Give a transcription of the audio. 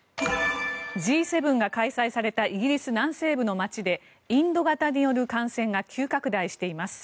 Ｇ７が開催されたイギリス南西部の街でインド型による感染が急拡大しています。